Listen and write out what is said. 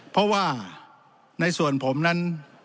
เพราะว่าในส่วนผมนั้น